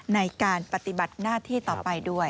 ในการปฏิบัติหน้าที่ต่อไปด้วย